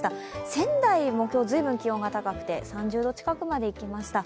仙台も今日随分気温が高くて３０度近くまでいきました。